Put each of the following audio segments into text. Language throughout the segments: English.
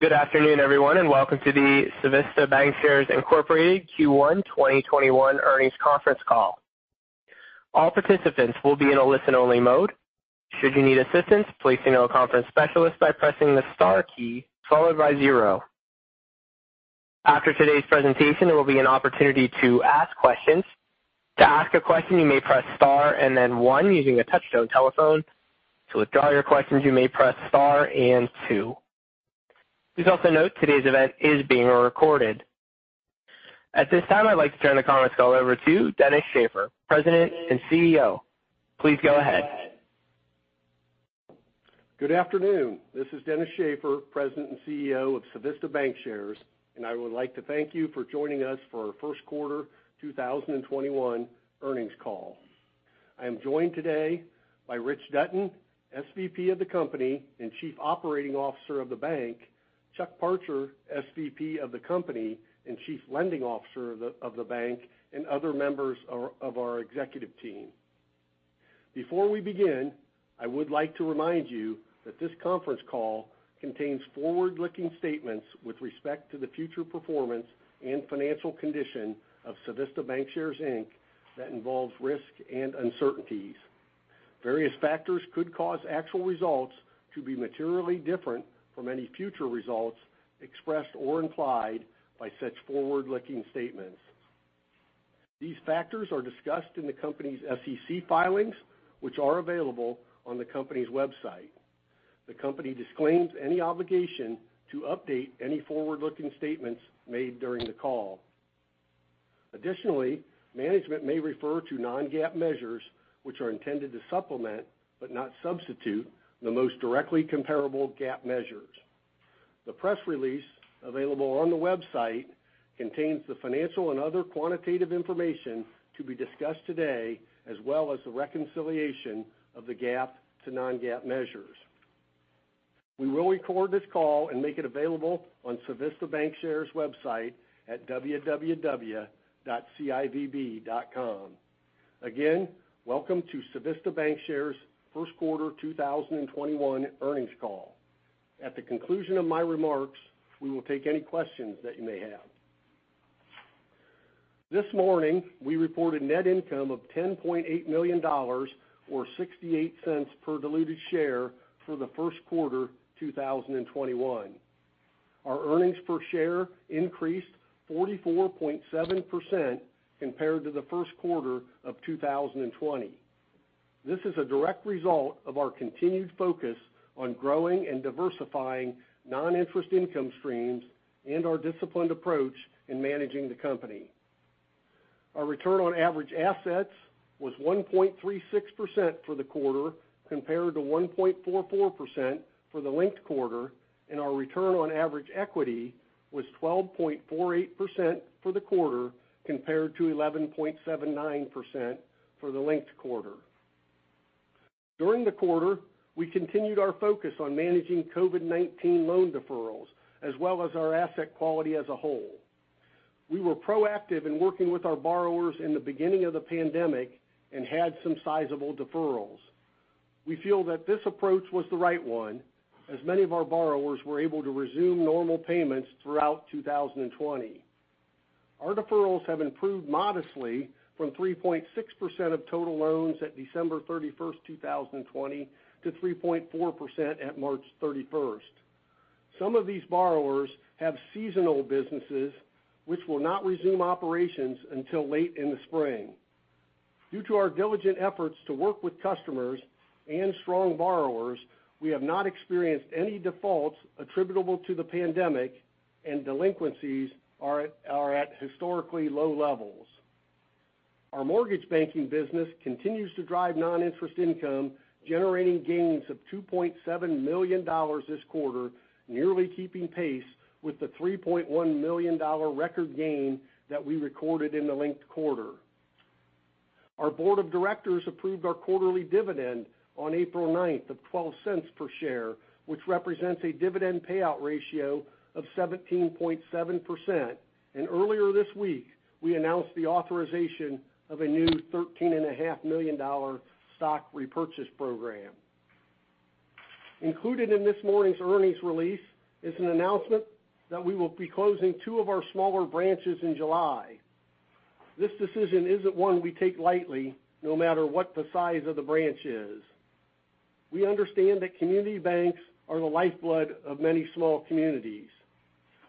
Good afternoon, everyone, and welcome to the Civista Bancshares, Inc. Q1 2021 earnings conference call. All participants will be in a listen-only mode. Should you need assistance, please signal a conference specialist by pressing the star key followed by zero. After today's presentation, there will be an opportunity to ask questions. To ask a question, you may press star and then one using a touch-tone telephone. To withdraw your questions, you may press star and two. Please also note today's event is being recorded. At this time, I'd like to turn the conference call over to Dennis Shaffer, President and CEO. Please go ahead. Good afternoon. This is Dennis Shaffer, President and Chief Executive Officer of Civista Bancshares, and I would like to thank you for joining us for our first quarter 2021 earnings call. I am joined today by Rich Dutton, SVP of the company and Chief Operating Officer of the bank, Chuck Parcher, SVP of the company and Chief Lending Officer of the bank, and other members of our executive team. Before we begin, I would like to remind you that this conference call contains forward-looking statements with respect to the future performance and financial condition of Civista Bancshares, Inc, that involves risk and uncertainties. Various factors could cause actual results to be materially different from any future results expressed or implied by such forward-looking statements. These factors are discussed in the company's SEC filings, which are available on the company's website. The company disclaims any obligation to update any forward-looking statements made during the call. Additionally, management may refer to non-GAAP measures, which are intended to supplement, but not substitute, the most directly comparable GAAP measures. The press release available on the website contains the financial and other quantitative information to be discussed today, as well as the reconciliation of the GAAP to non-GAAP measures. We will record this call and make it available on Civista Bancshares website at www.civb.com. Again, welcome to Civista Bancshares' first quarter 2021 earnings call. At the conclusion of my remarks, we will take any questions that you may have. This morning, we reported net income of $10.8 million, or $0.68 per diluted share for the first quarter 2021. Our earnings per share increased 44.7% compared to the first quarter of 2020. This is a direct result of our continued focus on growing and diversifying non-interest income streams and our disciplined approach in managing the company. Our return on average assets was 1.36% for the quarter, compared to 1.44% for the linked quarter, and our return on average equity was 12.48% for the quarter, compared to 11.79% for the linked quarter. During the quarter, we continued our focus on managing COVID-19 loan deferrals, as well as our asset quality as a whole. We were proactive in working with our borrowers in the beginning of the pandemic and had some sizable deferrals. We feel that this approach was the right one, as many of our borrowers were able to resume normal payments throughout 2020. Our deferrals have improved modestly from 3.6% of total loans at December 31st, 2020, to 3.4% at March 31st. Some of these borrowers have seasonal businesses which will not resume operations until late in the spring. Due to our diligent efforts to work with customers and strong borrowers, we have not experienced any defaults attributable to the pandemic, and delinquencies are at historically low levels. Our mortgage banking business continues to drive non-interest income, generating gains of $2.7 million this quarter, nearly keeping pace with the $3.1 million record gain that we recorded in the linked quarter. Our board of directors approved our quarterly dividend on April 9th of $0.12 per share, which represents a dividend payout ratio of 17.7%. Earlier this week, we announced the authorization of a new $13.5 million stock repurchase program. Included in this morning's earnings release is an announcement that we will be closing two of our smaller branches in July. This decision isn't one we take lightly, no matter what the size of the branch is. We understand that community banks are the lifeblood of many small communities.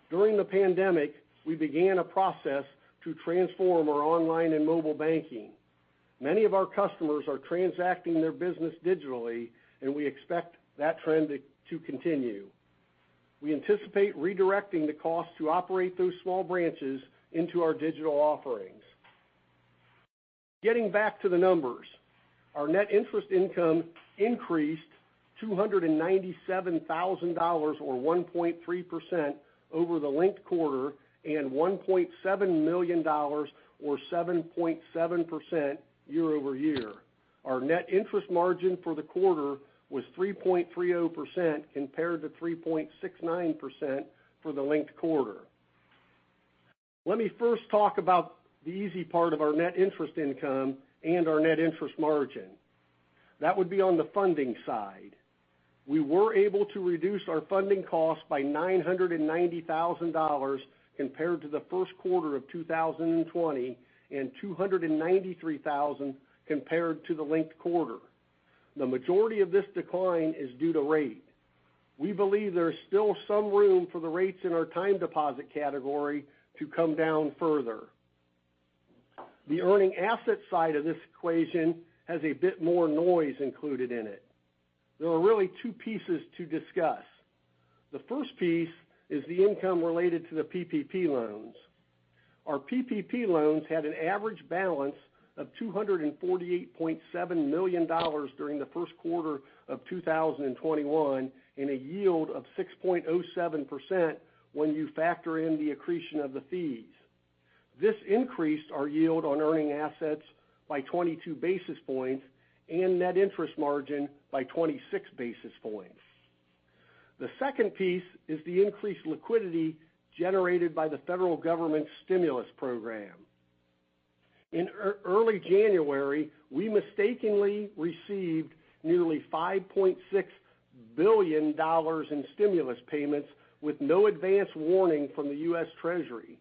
During the pandemic, we began a process to transform our online and mobile banking. Many of our customers are transacting their business digitally, and we expect that trend to continue. We anticipate redirecting the cost to operate those small branches into our digital offerings. Getting back to the numbers, our net interest income increased $297,000, or 1.3%, over the linked quarter and $1.7 million, or 7.7%, year-over-year. Our net interest margin for the quarter was 3.30%, compared to 3.69% for the linked quarter. Let me first talk about the easy part of our net interest income and our net interest margin. That would be on the funding side. We were able to reduce our funding costs by $990,000 compared to the first quarter of 2020, and $293,000 compared to the linked quarter. The majority of this decline is due to rate. We believe there's still some room for the rates in our time deposit category to come down further. The earning asset side of this equation has a bit more noise included in it. There are really two pieces to discuss. The first piece is the income related to the PPP loans. Our PPP loans had an average balance of $248.7 million during the first quarter of 2021, and a yield of 6.07% when you factor in the accretion of the fees. This increased our yield on earning assets by 22 basis points, and net interest margin by 26 basis points. The second piece is the increased liquidity generated by the federal government stimulus program. In early January, we mistakenly received nearly $5.6 billion in stimulus payments with no advance warning from the U.S. Treasury.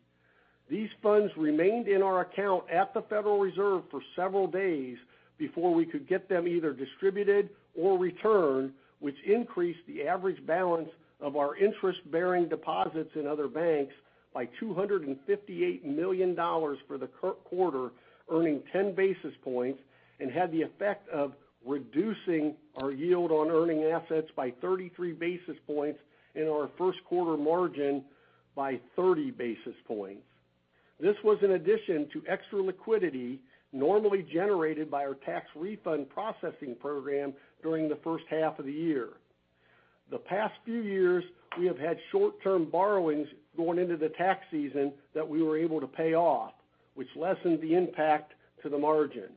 These funds remained in our account at the Federal Reserve for several days before we could get them either distributed or returned, which increased the average balance of our interest-bearing deposits in other banks by $258 million for the current quarter, earning 10 basis points, and had the effect of reducing our yield on earning assets by 33 basis points in our first quarter margin by 30 basis points. This was in addition to extra liquidity normally generated by our tax refund processing program during the first half of the year. The past few years, we have had short-term borrowings going into the tax season that we were able to pay off, which lessened the impact to the margin.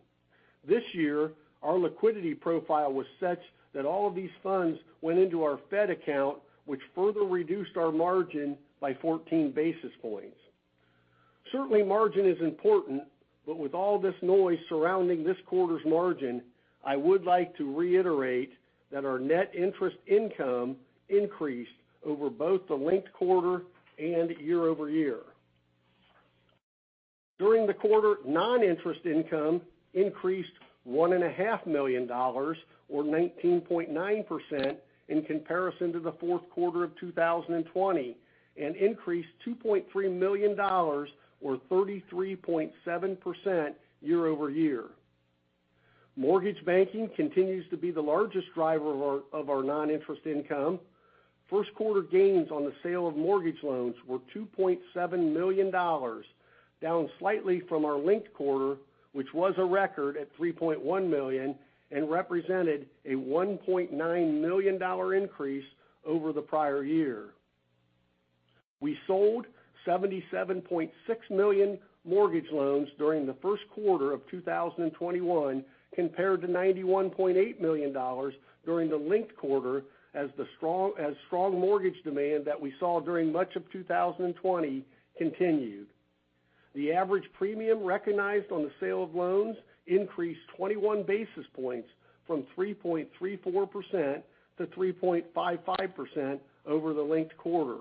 This year, our liquidity profile was such that all of these funds went into our Fed account, which further reduced our margin by 14 basis points. Certainly, margin is important, but with all this noise surrounding this quarter's margin, I would like to reiterate that our net interest income increased over both the linked quarter and year-over-year. During the quarter, non-interest income increased $1.5 million, or 19.9% in comparison to the fourth quarter of 2020, and increased $2.3 million, or 33.7%, year-over-year. Mortgage banking continues to be the largest driver of our non-interest income. First quarter gains on the sale of mortgage loans were $2.7 million, down slightly from our linked quarter, which was a record at $3.1 million, and represented a $1.9 million increase over the prior year. We sold $77.6 million mortgage loans during the first quarter of 2021 compared to $91.8 million during the linked quarter, as strong mortgage demand that we saw during much of 2020 continued. The average premium recognized on the sale of loans increased 21 basis points from 3.34% to 3.55% over the linked quarter.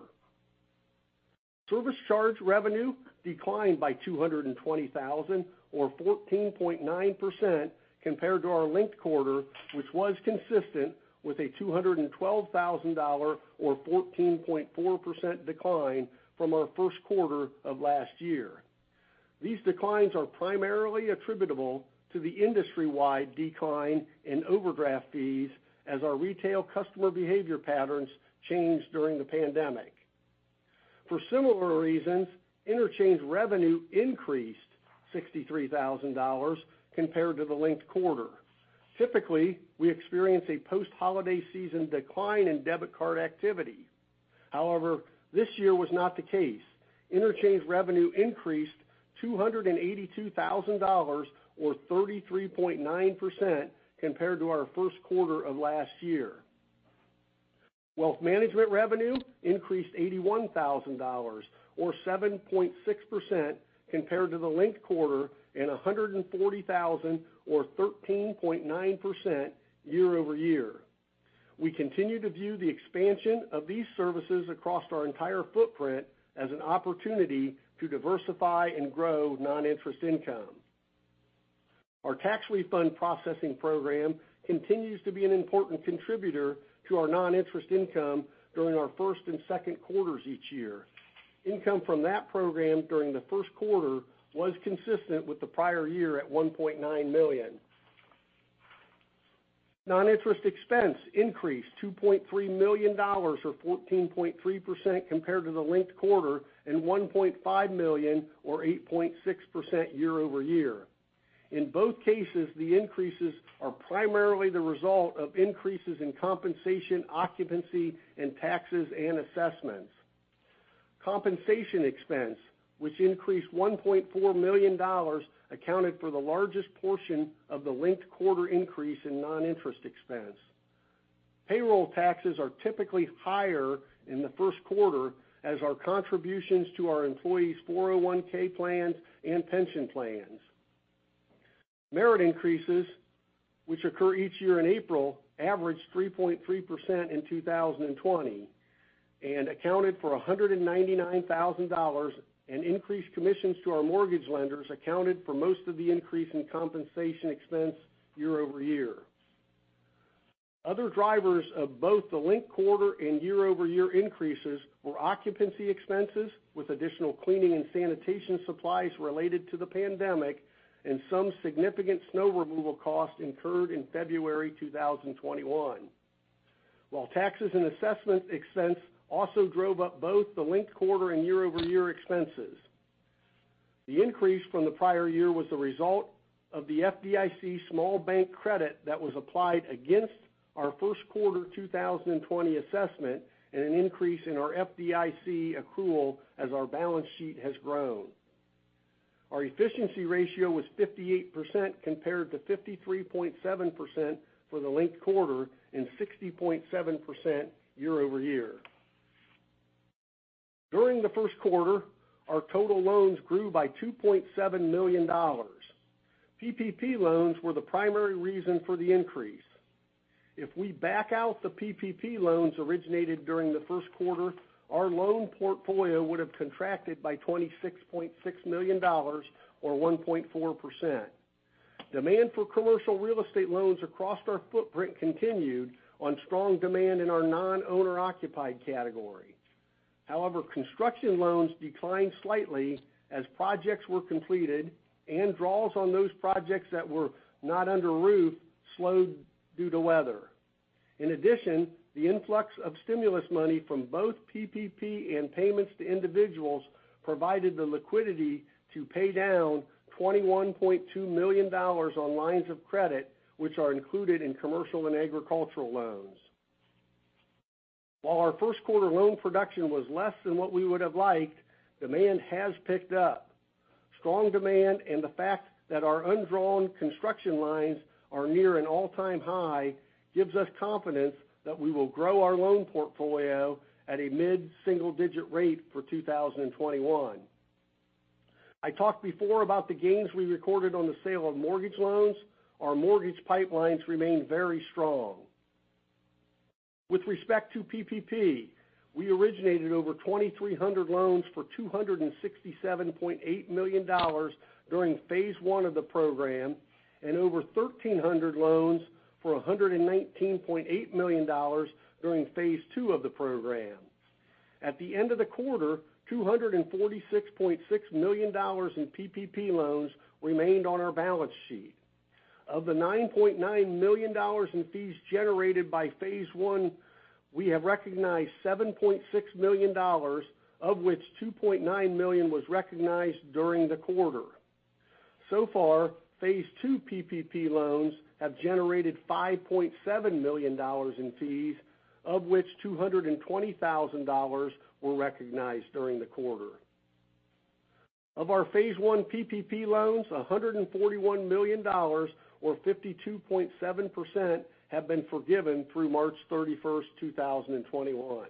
Service charge revenue declined by $220,000 or 14.9% compared to our linked quarter, which was consistent with a $212,000 or 14.4% decline from our first quarter of last year. These declines are primarily attributable to the industry-wide decline in overdraft fees as our retail customer behavior patterns changed during the pandemic. For similar reasons, interchange revenue increased $63,000 compared to the linked quarter. Typically, we experience a post holiday season decline in debit card activity. However, this year was not the case. Interchange revenue increased $282,000, or 33.9%, compared to our first quarter of last year. Wealth management revenue increased $81,000, or 7.6%, compared to the linked quarter and $140,000, or 13.9%, year-over-year. We continue to view the expansion of these services across our entire footprint as an opportunity to diversify and grow non-interest income. Our tax refund processing program continues to be an important contributor to our non-interest income during our first and second quarters each year. Income from that program during the first quarter was consistent with the prior year at $1.9 million. Non-interest expense increased $2.3 million, or 14.3%, compared to the linked quarter and $1.5 million, or 8.6%, year-over-year. In both cases, the increases are primarily the result of increases in compensation, occupancy, and taxes and assessments. Compensation expense, which increased $1.4 million, accounted for the largest portion of the linked quarter increase in non-interest expense. Payroll taxes are typically higher in the first quarter as our contributions to our employees' 401(k) plans and pension plans. Merit increases, which occur each year in April, averaged 3.3% in 2020 and accounted for $199,000, and increased commissions to our mortgage lenders accounted for most of the increase in compensation expense year-over-year. Other drivers of both the linked quarter and year-over-year increases were occupancy expenses, with additional cleaning and sanitation supplies related to the pandemic, and some significant snow removal costs incurred in February 2021. While taxes and assessment expense also drove up both the linked quarter and year-over-year expenses, the increase from the prior year was the result of the FDIC small bank credit that was applied against our first quarter 2020 assessment, and an increase in our FDIC accrual as our balance sheet has grown. Our efficiency ratio was 58%, compared to 53.7% for the linked quarter, and 60.7% year-over-year. During the first quarter, our total loans grew by $2.7 million. PPP loans were the primary reason for the increase. If we back out the PPP loans originated during the first quarter, our loan portfolio would have contracted by $26.6 million, or 1.4%. Demand for commercial real estate loans across our footprint continued on strong demand in our non-owner occupied category. However, construction loans declined slightly as projects were completed, and draws on those projects that were not under roof slowed due to weather. In addition, the influx of stimulus money from both PPP and payments to individuals provided the liquidity to pay down $21.2 million on lines of credit, which are included in commercial and agricultural loans. While our first quarter loan production was less than what we would have liked, demand has picked up. Strong demand and the fact that our undrawn construction lines are near an all-time high gives us confidence that we will grow our loan portfolio at a mid-single digit rate for 2021. I talked before about the gains we recorded on the sale of mortgage loans. Our mortgage pipelines remain very strong. With respect to PPP, we originated over 2,300 loans for $267.8 million during phase one of the program, and over 1,300 loans for $119.8 million during phase two of the program. At the end of the quarter, $246.6 million in PPP loans remained on our balance sheet. Of the $9.9 million in fees generated by phase one, we have recognized $7.6 million, of which $2.9 million was recognized during the quarter. So far, phase two PPP loans have generated $5.7 million in fees, of which $220,000 were recognized during the quarter. Of our phase one PPP loans, $141 million, or 52.7%, have been forgiven through March 31st, 2021.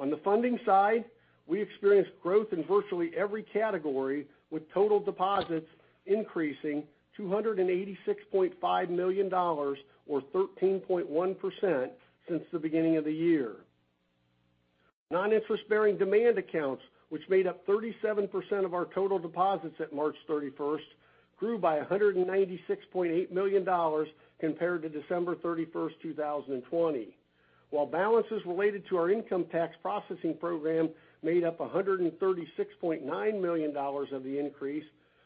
On the funding side, we experienced growth in virtually every category, with total deposits increasing $286.5 million, or 13.1%, since the beginning of the year. Non-interest bearing demand accounts, which made up 37% of our total deposits at March 31st, grew by $196.8 million compared to December 31st, 2020. While balances related to our income tax processing program made up $136.9 million of the increase,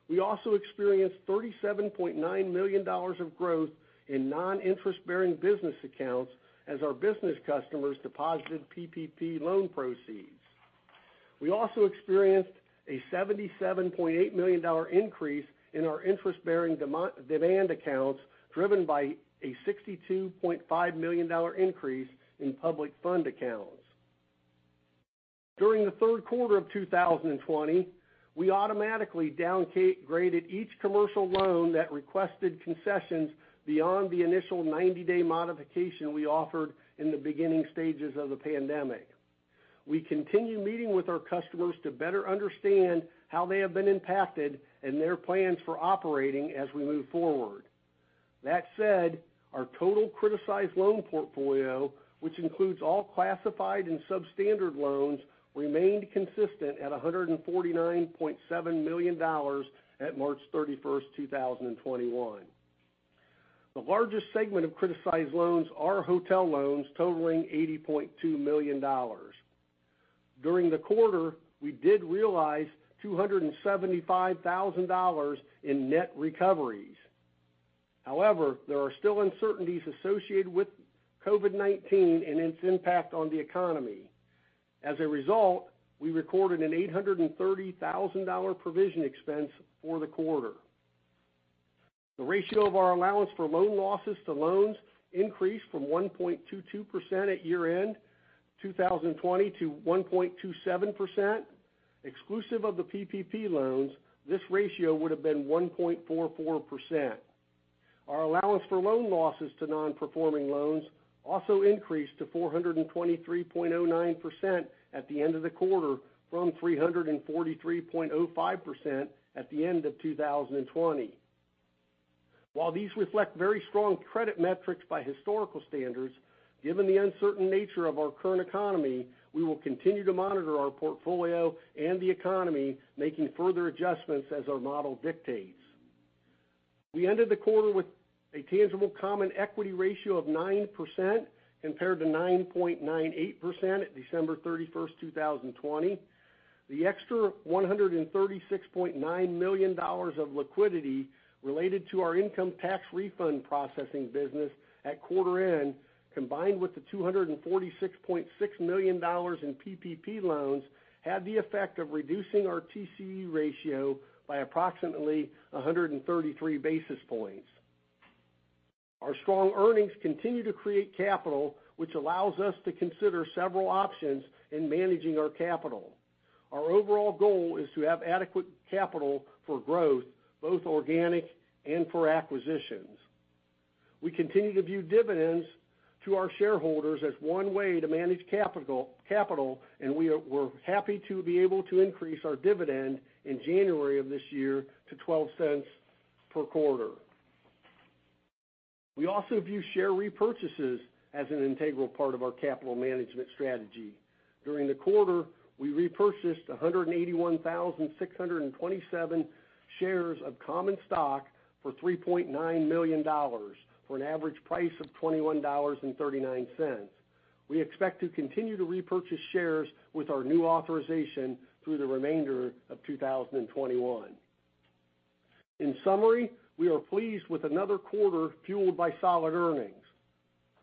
we also experienced $37.9 million of growth in non-interest bearing business accounts, as our business customers deposited PPP loan proceeds. We also experienced a $77.8 million increase in our interest-bearing demand accounts, driven by a $62.5 million increase in public fund accounts. During the third quarter of 2020, we automatically downgraded each commercial loan that requested concessions beyond the initial 90-day modification we offered in the beginning stages of the pandemic. We continue meeting with our customers to better understand how they have been impacted and their plans for operating as we move forward. That said, our total criticized loan portfolio, which includes all classified and substandard loans, remained consistent at $149.7 million at March 31st, 2021. The largest segment of criticized loans are hotel loans totaling $80.2 million. During the quarter, we did realize $275,000 in net recoveries. There are still uncertainties associated with COVID-19 and its impact on the economy. We recorded an $830,000 provision expense for the quarter. The ratio of our allowance for loan losses to loans increased from 1.22% at year-end 2020 to 1.27%. Exclusive of the PPP loans, this ratio would have been 1.44%. Our allowance for loan losses to non-performing loans also increased to 423.09% at the end of the quarter from 343.05% at the end of 2020. While these reflect very strong credit metrics by historical standards, given the uncertain nature of our current economy, we will continue to monitor our portfolio and the economy, making further adjustments as our model dictates. We ended the quarter with a tangible common equity ratio of 9%, compared to 9.98% at December 31st, 2020. The extra $136.9 million of liquidity related to our income tax refund processing business at quarter end, combined with the $246.6 million in PPP loans, had the effect of reducing our TCE ratio by approximately 133 basis points. Our strong earnings continue to create capital, which allows us to consider several options in managing our capital. Our overall goal is to have adequate capital for growth, both organic and for acquisitions. We continue to view dividends to our shareholders as one way to manage capital, and we're happy to be able to increase our dividend in January of this year to $0.12 per quarter. We also view share repurchases as an integral part of our capital management strategy. During the quarter, we repurchased 181,627 shares of common stock for $3.9 million, for an average price of $21.39. We expect to continue to repurchase shares with our new authorization through the remainder of 2021. In summary, we are pleased with another quarter fueled by solid earnings.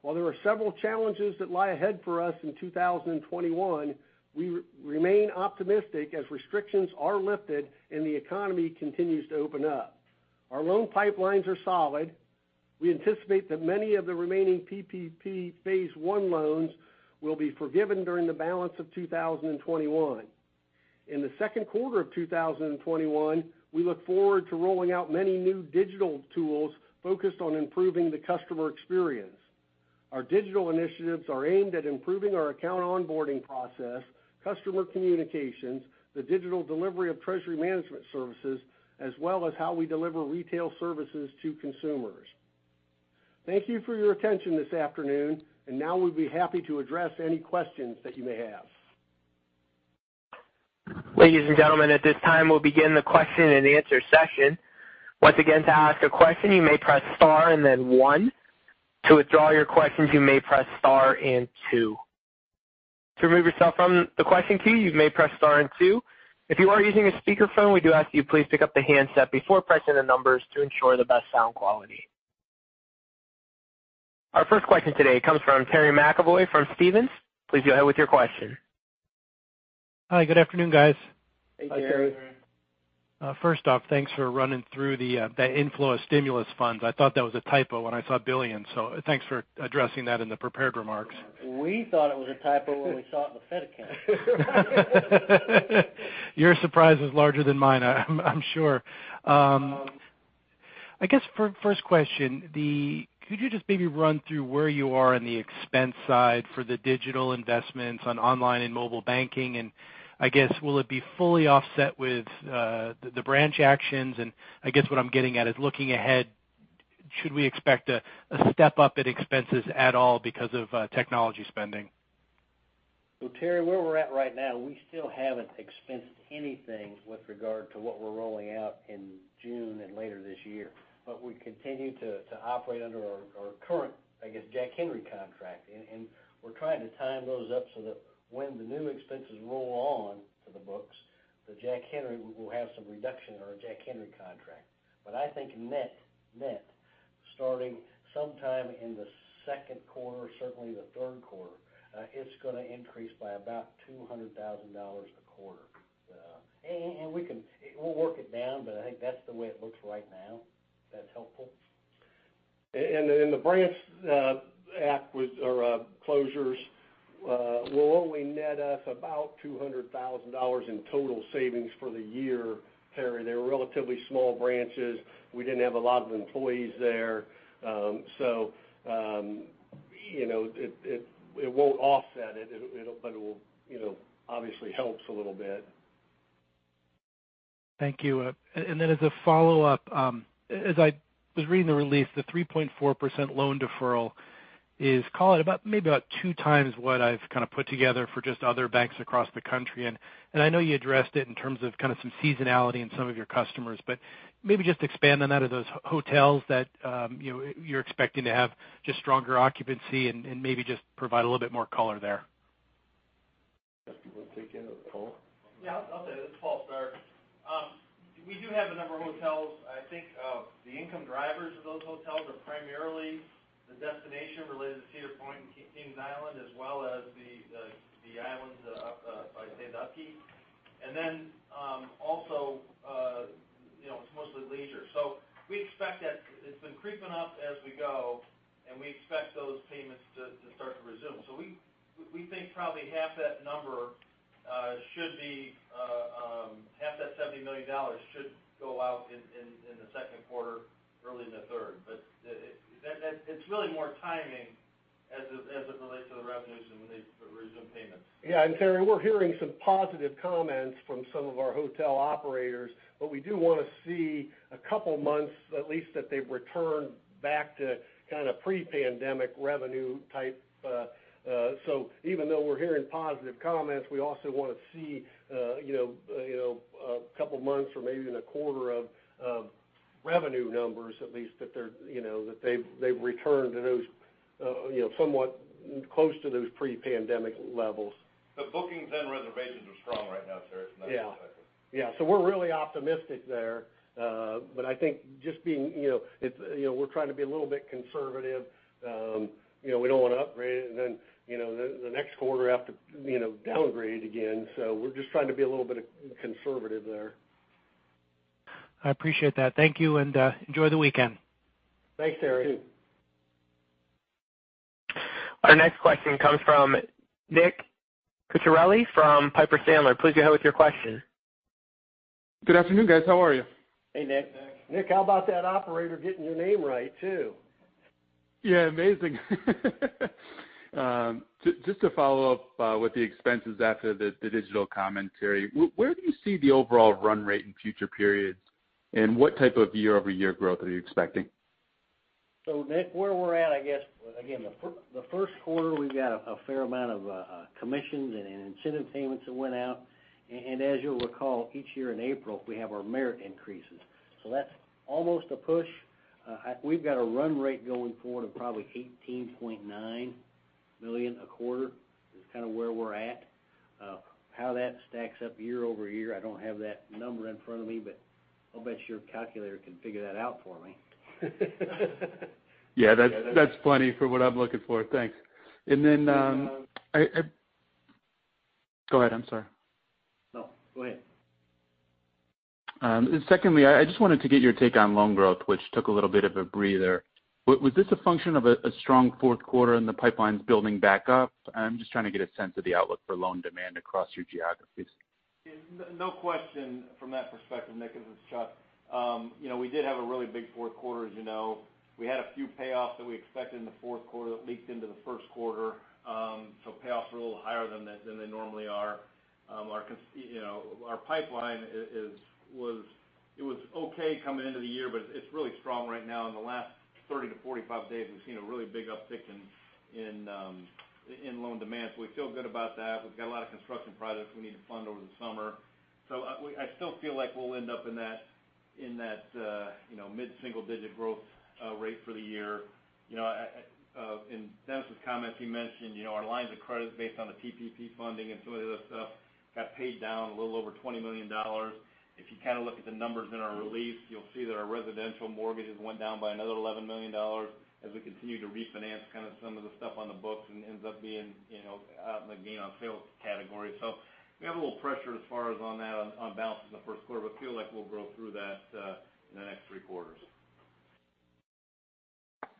While there are several challenges that lie ahead for us in 2021, we remain optimistic as restrictions are lifted and the economy continues to open up. Our loan pipelines are solid. We anticipate that many of the remaining PPP phase one loans will be forgiven during the balance of 2021. In the second quarter of 2021, we look forward to rolling out many new digital tools focused on improving the customer experience. Our digital initiatives are aimed at improving our account onboarding process, customer communications, the digital delivery of treasury management services, as well as how we deliver retail services to consumers. Thank you for your attention this afternoon, and now we'd be happy to address any questions that you may have. Ladies and gentlemen, at this time, we'll begin the question and answer session. Once again, to ask a question, you may press star and then one. To withdraw your question you may press star and two. To remove yourself from the question queue, you may press star and two. If you are using a speaker phone we do ask you, please pick up the handset before pressing the numbers to ensure the best sound quality. Our first question today comes from Terry McEvoy from Stephens. Please go ahead with your question. Hi, good afternoon, guys. Hey, Terry. Hey, Terry. First off, thanks for running through the inflow of stimulus funds. I thought that was a typo when I saw billion, so thanks for addressing that in the prepared remarks. We thought it was a typo when we saw it in the Fed account. Your surprise is larger than mine, I'm sure. I guess for a first question, could you just maybe run through where you are on the expense side for the digital investments on online and mobile banking, and I guess will it be fully offset with the branch actions, and I guess what I'm getting at is looking ahead, should we expect a step up in expenses at all because of technology spending? Well, Terry, where we're at right now, we still haven't expensed anything with regard to what we're rolling out in June and later this year. We continue to operate under our current, I guess, Jack Henry contract, and we're trying to time those up so that when the new expenses roll on to the books, the Jack Henry, we'll have some reduction in our Jack Henry contract. I think net, starting sometime in the second quarter, certainly the third quarter, it's going to increase by about $200,000 a quarter. We'll work it down, but I think that's the way it looks right now, if that's helpful. The branch closures will only net us about $200,000 in total savings for the year, Terry. They were relatively small branches. We didn't have a lot of employees there. It won't offset it, but it obviously helps a little bit. Thank you. As a follow-up, as I was reading the release, the 3.4% loan deferral is call it about maybe about two times what I've kind of put together for just other banks across the country. I know you addressed it in terms of kind of some seasonality in some of your customers, but maybe just expand on that, of those hotels that you're expecting to have just stronger occupancy and maybe just provide a little bit more color there. You want to take any of those? Paul? Yeah, I'll take it. It's Paul Stark. We do have a number of hotels. I think the income drivers of those hotels are primarily the destination related to Cedar Point and Kings Island, as well as the islands up by Sandusky. It's mostly leisure. We expect that it's been creeping up as we go, and we expect those payments to start to resume. We think probably half that $70 million should go out in the second quarter, early in the third. It's really more timing as it relates to the revenues when they resume payments. Yeah. Terry, we're hearing some positive comments from some of our hotel operators, but we do want to see a couple months at least that they've returned back to kind of pre-pandemic revenue type. Even though we're hearing positive comments, we also want to see a couple months or maybe even a quarter of revenue numbers at least, that they've returned to those somewhat close to those pre-pandemic levels. The bookings and reservations are strong right now, Terry. Yeah. We're really optimistic there. I think we're trying to be a little bit conservative. We don't want to upgrade it and then the next quarter have to downgrade it again. We're just trying to be a little bit conservative there. I appreciate that. Thank you, and enjoy the weekend. Thanks, Terry. You too. Our next question comes from Nick Cucharale from Piper Sandler. Please go ahead with your question. Good afternoon, guys. How are you? Hey, Nick. Hey, Nick. Nick, how about that operator getting your name right, too? Amazing. Just to follow up with the expenses after the digital commentary, where do you see the overall run rate in future periods, and what type of year-over-year growth are you expecting? Nick, where we're at, I guess, again, the first quarter, we got a fair amount of commissions and incentive payments that went out. As you'll recall, each year in April, we have our merit increases. That's almost a push. We've got a run rate going forward of probably $18.9 million a quarter is kind of where we're at. How that stacks up year-over-year, I don't have that number in front of me, but I'll bet your calculator can figure that out for me. Yeah, that's plenty for what I'm looking for. Thanks. Go ahead, I'm sorry. No, go ahead. Secondly, I just wanted to get your take on loan growth, which took a little bit of a breather. Was this a function of a strong fourth quarter and the pipelines building back up? I'm just trying to get a sense of the outlook for loan demand across your geographies. No question from that perspective, Nick, this is Chuck. We did have a really big fourth quarter, as you know. We had a few payoffs that we expected in the fourth quarter that leaked into the first quarter. Payoffs were a little higher than they normally are. Our pipeline, it was okay coming into the year, but it's really strong right now. In the last 30 to 45 days, we've seen a really big uptick in loan demand. We feel good about that. We've got a lot of construction projects we need to fund over the summer. I still feel like we'll end up in that mid-single-digit growth rate for the year. In Dennis's comments, he mentioned our lines of credit based on the PPP funding and some of the other stuff got paid down a little over $20 million. If you kind of look at the numbers in our release, you'll see that our residential mortgages went down by another $11 million as we continue to refinance kind of some of the stuff on the books and ends up being out in the gain on sales category. We have a little pressure as far as on that, on balances in the first quarter, but feel like we'll grow through that in the next three quarters.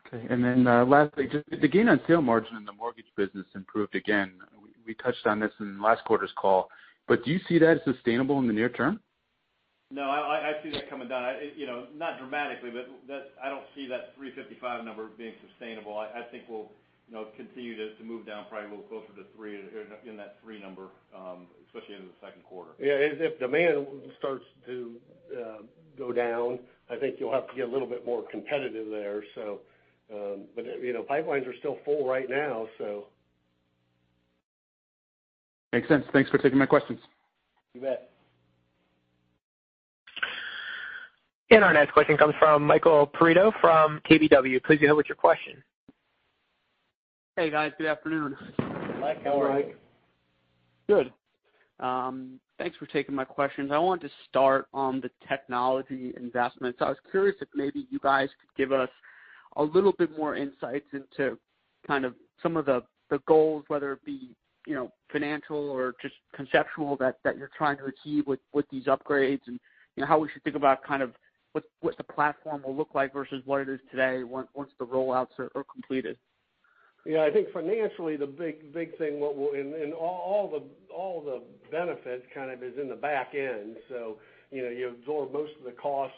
Okay. Lastly, just the gain on sale margin in the mortgage business improved again. We touched on this in last quarter's call. Do you see that as sustainable in the near term? No, I see that coming down. Not dramatically, but I don't see that 355 number being sustainable. I think we'll continue to move down probably a little closer to three, in that three number, especially into the second quarter. Yeah. As if demand starts to go down, I think you'll have to get a little bit more competitive there. Pipelines are still full right now, so. Makes sense. Thanks for taking my questions. You bet. Our next question comes from Michael Perito from KBW. Please go ahead with your question. Hey, guys. Good afternoon. Hi. Mike, how are you? Good. Thanks for taking my questions. I wanted to start on the technology investments. I was curious if maybe you guys could give us a little bit more insights into kind of some of the goals, whether it be financial or just conceptual, that you're trying to achieve with these upgrades, and how we should think about kind of what the platform will look like versus what it is today once the rollouts are completed. Yeah, I think financially, the big thing kind of is in the back end. You absorb most of the costs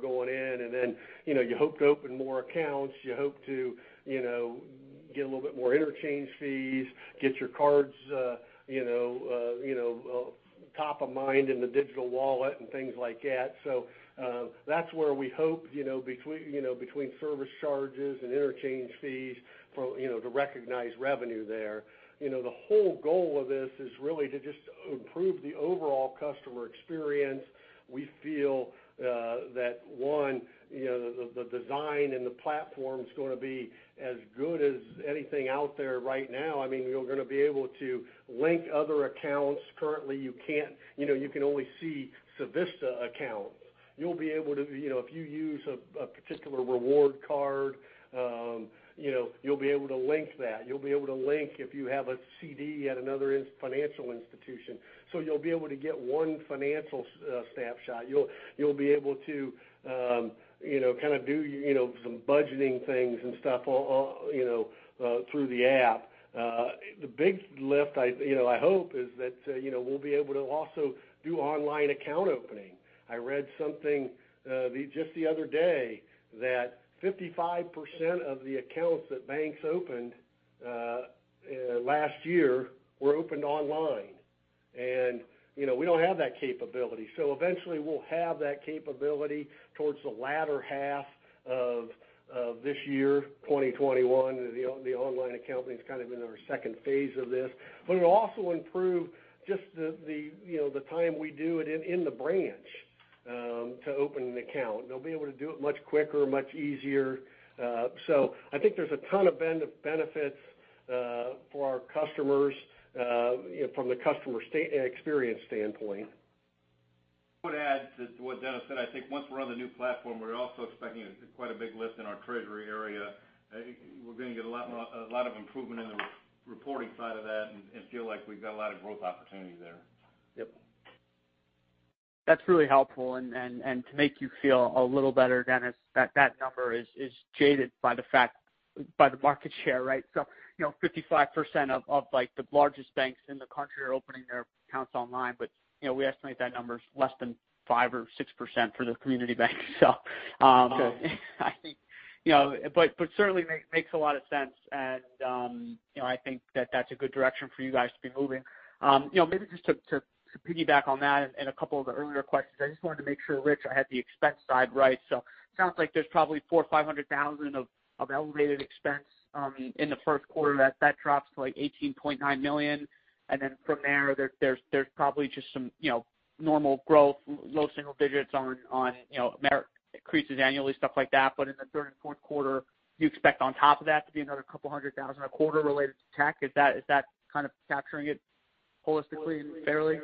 going in, and then, you hope to open more accounts. You hope to get a little bit more interchange fees, get your cards top of mind in the digital wallet and things like that. That's where we hope, between service charges and interchange fees to recognize revenue there. The whole goal of this is really to just improve the overall customer experience. We feel that, one, the design and the platform's going to be as good as anything out there right now. I mean, you're going to be able to link other accounts. Currently, you can't. You can only see Civista accounts. If you use a particular reward card, you'll be able to link that. You'll be able to link if you have a CD at another financial institution. You'll be able to get one financial snapshot. You'll be able to kind of do some budgeting things and stuff through the app. The big lift, I hope, is that we'll be able to also do online account opening. I read something just the other day that 55% of the accounts that banks opened last year were opened online, and we don't have that capability. Eventually, we'll have that capability towards the latter half of this year, 2021. The online account is kind of in our second phase of this. It'll also improve just the time we do it in the branch to open an account. They'll be able to do it much quicker, much easier. I think there's a ton of benefits for our customers from the customer experience standpoint. I would add to what Dennis said, I think once we're on the new platform, we're also expecting quite a big lift in our treasury area. We're going to get a lot of improvement in the reporting side of that and feel like we've got a lot of growth opportunity there. Yep. That's really helpful, and to make you feel a little better, Dennis, that number is jaded by the market share, right? 55% of the largest banks in the country are opening their accounts online, but we estimate that number is less than 5% or 6% for the community banks. But certainly makes a lot of sense, and I think that that's a good direction for you guys to be moving. Maybe just to piggyback on that and a couple of the earlier questions, I just wanted to make sure, Rich, I had the expense side right. Sounds like there's probably $400,000 or $500,000 of elevated expense in the first quarter. That drops to like $18.9 million. Then from there's probably just some normal growth, low single digits on increases annually, stuff like that. In the third and fourth quarter, do you expect on top of that to be another couple hundred thousand a quarter related to tech? Is that kind of capturing it holistically and fairly?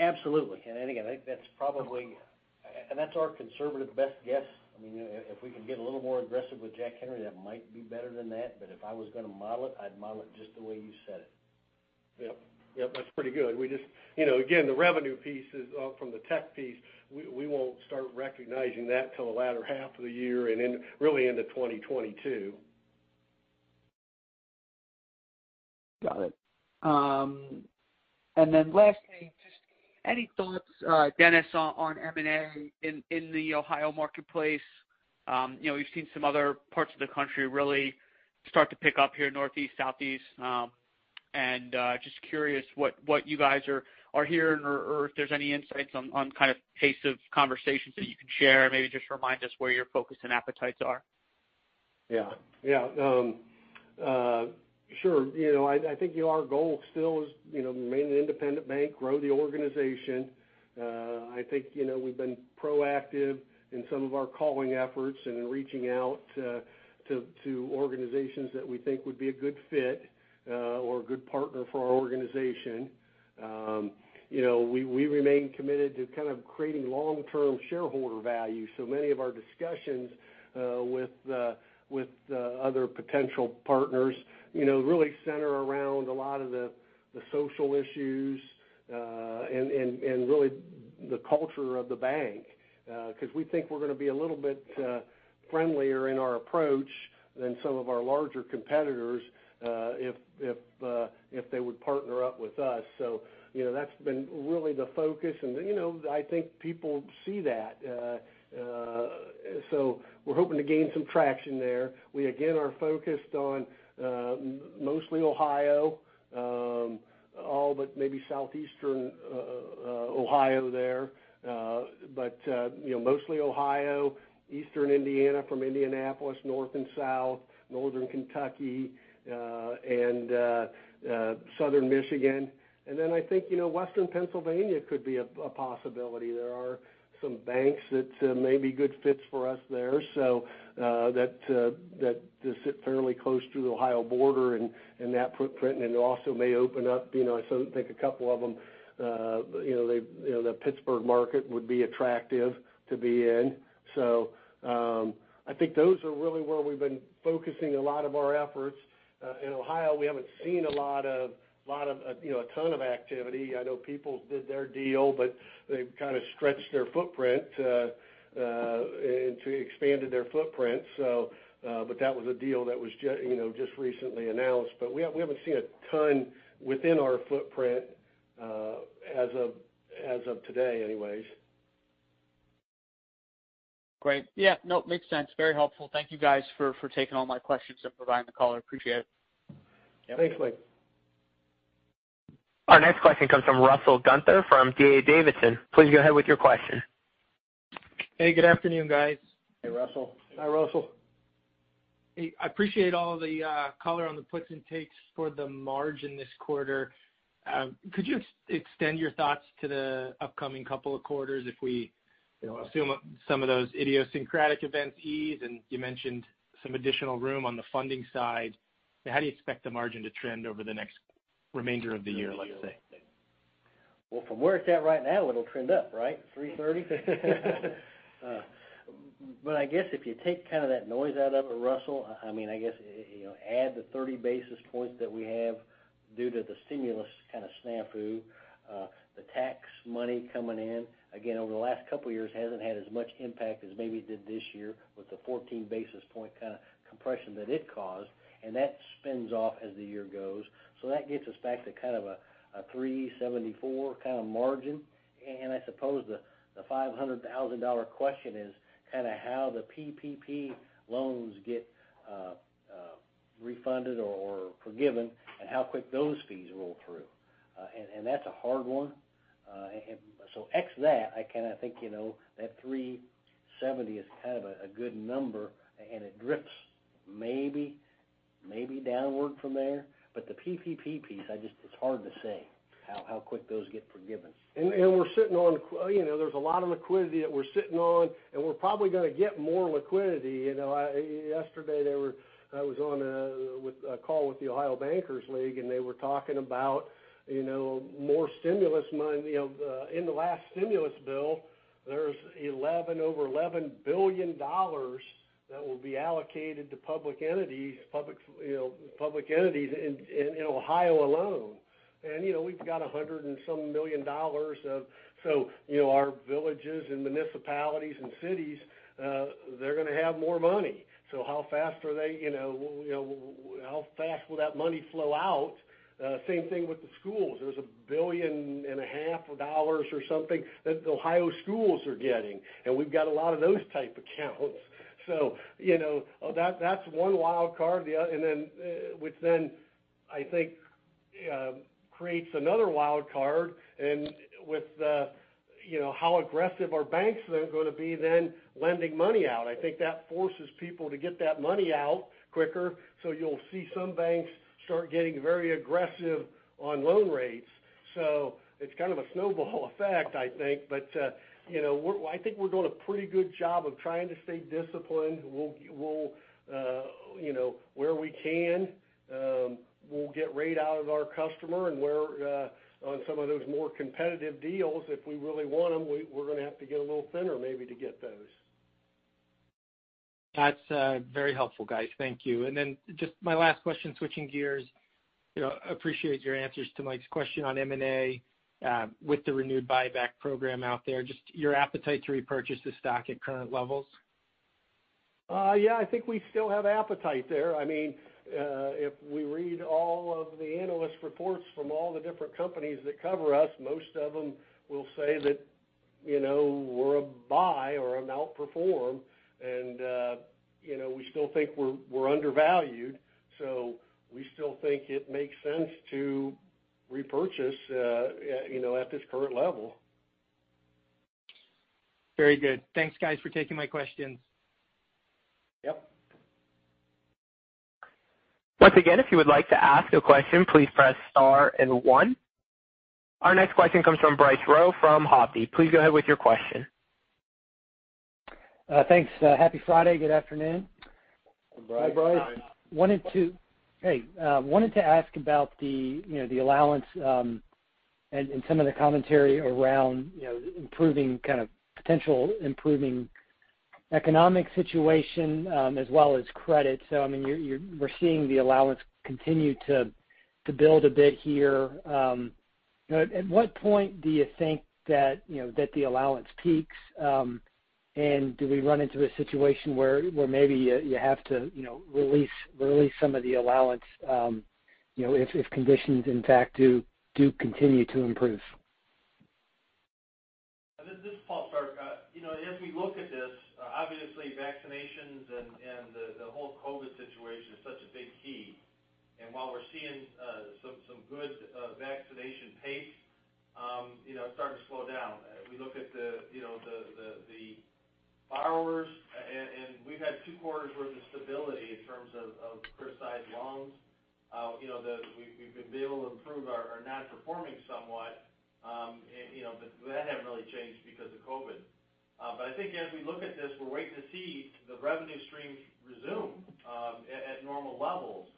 Absolutely. Again, I think that's our conservative best guess. If we can get a little more aggressive with Jack Henry, that might be better than that. If I was going to model it, I'd model it just the way you said it. Yep. That's pretty good. Again, the revenue pieces from the tech piece, we won't start recognizing that until the latter half of the year and then really into 2022. Got it. Lastly, just any thoughts, Dennis, on M&A in the Ohio marketplace? We've seen some other parts of the country really start to pick up here in Northeast, Southeast. Just curious what you guys are hearing or if there's any insights on pace of conversations that you can share. Maybe just remind us where your focus and appetites are. Yeah. Sure. I think our goal still is remain an independent bank, grow the organization. I think we've been proactive in some of our calling efforts and in reaching out to organizations that we think would be a good fit or a good partner for our organization. We remain committed to kind of creating long-term shareholder value. Many of our discussions with other potential partners really center around a lot of the social issues and really the culture of the bank, because we think we're going to be a little bit friendlier in our approach than some of our larger competitors if they would partner up with us. That's been really the focus, and I think people see that. We're hoping to gain some traction there. We, again, are focused on mostly Ohio, all but maybe Southeastern Ohio there. Mostly Ohio, Eastern Indiana from Indianapolis, north and south, Northern Kentucky, and Southern Michigan. I think Western Pennsylvania could be a possibility. There are some banks that may be good fits for us there. That sit fairly close to the Ohio border and that footprint, and it also may open up, I think a couple of them, the Pittsburgh market would be attractive to be in. I think those are really where we've been focusing a lot of our efforts. In Ohio, we haven't seen a ton of activity. I know people did their deal, but they've kind of stretched their footprint, expanded their footprint. That was a deal that was just recently announced. We haven't seen a ton within our footprint as of today anyways. Great. Yeah. No, it makes sense. Very helpful. Thank you guys for taking all my questions and providing the color. Appreciate it. Yep. Thanks, Mike. Our next question comes from Russell Gunther from D.A. Davidson. Please go ahead with your question. Hey, good afternoon, guys. Hey, Russell. Hi, Russell. Hey. I appreciate all the color on the puts and takes for the margin this quarter. Could you extend your thoughts to the upcoming couple of quarters if we assume some of those idiosyncratic events ease, and you mentioned some additional room on the funding side. How do you expect the margin to trend over the next remainder of the year, let's say? Well, from where it's at right now, it'll trend up, right? 3.30%. I guess if you take kind of that noise out of it, Russell, I guess add the 30 basis points that we have Due to the stimulus kind of snafu, the tax money coming in, again, over the last couple of years hasn't had as much impact as maybe it did this year with the 14 basis point kind of compression that it caused, and that spins off as the year goes. That gets us back to kind of a 3.74% kind of margin. I suppose the $500,000 question is kind of how the PPP loans get refunded or forgiven and how quick those fees roll through. That's a hard one. Ex that, I kind of think that 3.70% is kind of a good number, and it drifts maybe downward from there. The PPP piece, it's hard to say how quick those get forgiven. There's a lot of liquidity that we're sitting on, and we're probably going to get more liquidity. Yesterday I was on a call with the Ohio Bankers League, and they were talking about more stimulus money. In the last stimulus bill, there's over $11 billion that will be allocated to public entities in Ohio alone. We've got $100 and some million dollars. Our villages and municipalities and cities, they're going to have more money. How fast will that money flow out? Same thing with the schools. There's a billion and a half dollars or something that the Ohio schools are getting, and we've got a lot of those type accounts. That's one wild card, which then I think creates another wild card with how aggressive are banks then going to be then lending money out. I think that forces people to get that money out quicker. You'll see some banks start getting very aggressive on loan rates. It's kind of a snowball effect, I think. I think we're doing a pretty good job of trying to stay disciplined. Where we can, we'll get rate out of our customer and on some of those more competitive deals, if we really want them, we're going to have to get a little thinner maybe to get those. That's very helpful, guys. Thank you. Then just my last question, switching gears, appreciate your answers to Mike's question on M&A with the renewed buyback program out there, just your appetite to repurchase the stock at current levels? Yeah, I think we still have appetite there. If we read all of the analyst reports from all the different companies that cover us, most of them will say that we're a buy or an outperform. We still think we're undervalued. We still think it makes sense to repurchase at this current level. Very good. Thanks, guys, for taking my questions. Yep. Once again, if you would like to ask a question, please press star and one. Our next question comes from Bryce Rowe from Hovde Group. Please go ahead with your question. Thanks. Happy Friday. Good afternoon. Hi, Bryce. Hi. Hey. Wanted to ask about the allowance and some of the commentary around potential improving economic situation as well as credit. We're seeing the allowance continue to build a bit here. At what point do you think that the allowance peaks? Do we run into a situation where maybe you have to release some of the allowance if conditions in fact do continue to improve? This is Paul Stark. As we look at this, obviously vaccinations and the whole COVID-19 situation is such a big key. While we're seeing some good vaccination pace, it's starting to slow down. We look at the borrowers, we've had two quarters' worth of stability in terms of criticized loans. We've been able to improve our non-performing somewhat, that hasn't really changed because of COVID-19. I think as we look at this, we're waiting to see the revenue streams resume at normal levels.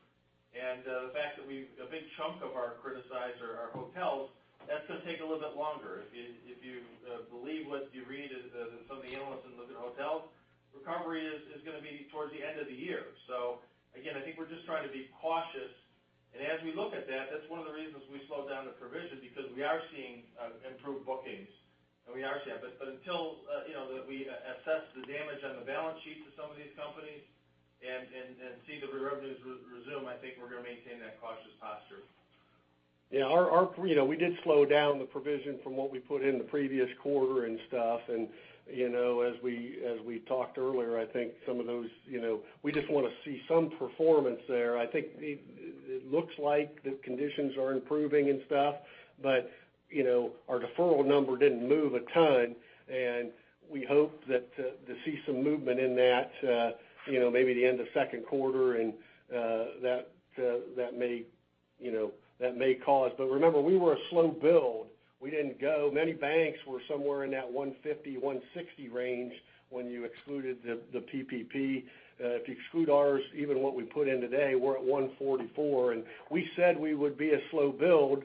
The fact that a big chunk of our criticized are our hotels, that's going to take a little bit longer. If you believe what you read in some of the analysts that look at hotels, recovery is going to be towards the end of the year. Again, I think we're just trying to be cautious, and as we look at that's one of the reasons we slowed down the provision because we are seeing improved bookings. Until we assess the damage on the balance sheet to some of these companies and see the revenues resume, I think we're going to maintain that cautious posture. Yeah, we did slow down the provision from what we put in the previous quarter and stuff. As we talked earlier, I think some of those, we just want to see some performance there. I think it looks like the conditions are improving and stuff, our deferral number didn't move a ton, we hope to see some movement in that maybe the end of second quarter, and that may cause. Remember, we were a slow build. Many banks were somewhere in that 1.50%-1.60% range when you excluded the PPP. If you exclude ours, even what we put in today, we're at 1.44%. We said we would be a slow build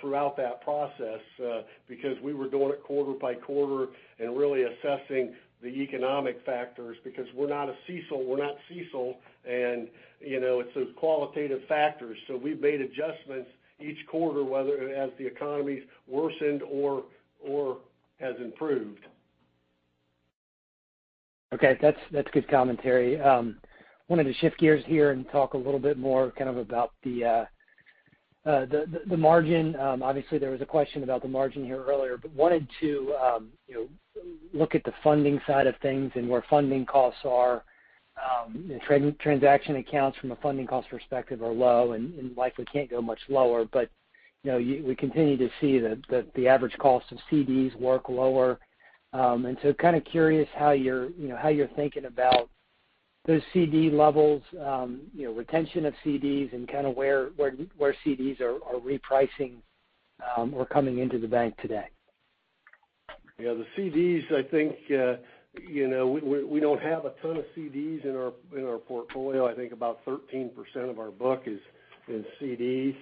throughout that process, because we were doing it quarter by quarter and really assessing the economic factors, because we're not a CECL, we're not CECL, it's those qualitative factors. We've made adjustments each quarter, whether as the economy's worsened or has improved. Okay, that's good commentary. Wanted to shift gears here and talk a little bit more about the margin. Obviously, there was a question about the margin here earlier, wanted to look at the funding side of things and where funding costs are. Transaction accounts from a funding cost perspective are low and likely can't go much lower. We continue to see the average cost of CDs work lower. Kind of curious how you're thinking about those CD levels, retention of CDs, and where CDs are repricing or coming into the bank today. Yeah, the CDs, I think, we don't have a ton of CDs in our portfolio. I think about 13% of our book is in CDs.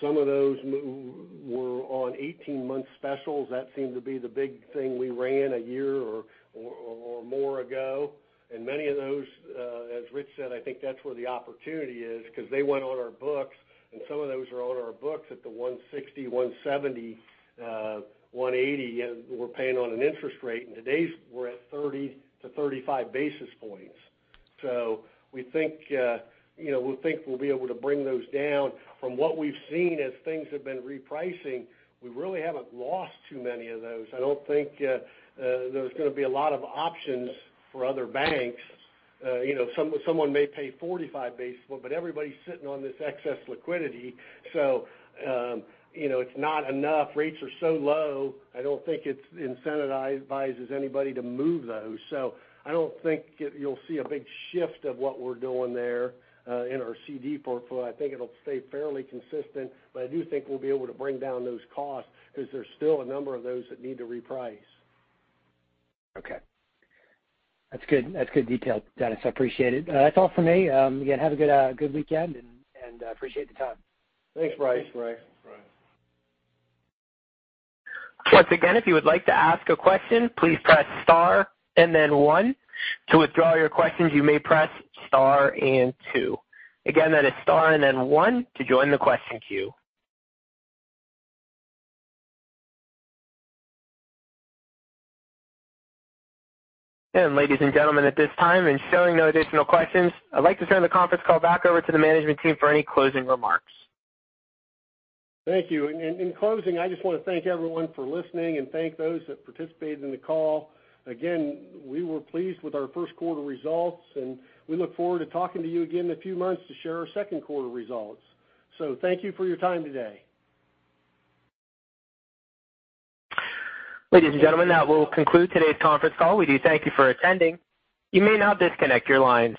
Some of those were on 18-month specials. That seemed to be the big thing we ran a year or more ago. Many of those, as Rich said, I think that's where the opportunity is because they went on our books, and some of those are on our books at the 1.60%, 1.70%, 1.80% we're paying on an interest rate. Today, we're at 30 basis points to 35 basis points. We think we'll be able to bring those down. From what we've seen as things have been repricing, we really haven't lost too many of those. I don't think there's going to be a lot of options for other banks. Someone may pay 45 basis points, but everybody's sitting on this excess liquidity. It's not enough. Rates are so low, I don't think it incentivizes anybody to move those. I don't think you'll see a big shift of what we're doing there in our CD portfolio. I think it'll stay fairly consistent, but I do think we'll be able to bring down those costs because there's still a number of those that need to reprice. Okay. That's good detail, Dennis. I appreciate it. That's all for me. Again, have a good weekend, and appreciate the time. Thanks, Bryce. Once again, if you would like to ask a question, please press star and then one. To withdraw your questions, you may press star and two. Again, that is star and then one to join the question queue. Ladies and gentlemen, at this time and showing no additional questions, I'd like to turn the conference call back over to the management team for any closing remarks. Thank you. In closing, I just want to thank everyone for listening and thank those that participated in the call. Again, we were pleased with our first quarter results, and we look forward to talking to you again in a few months to share our second quarter results. Thank you for your time today. Ladies and gentlemen, that will conclude today's conference call. We do thank you for attending. You may now disconnect your lines.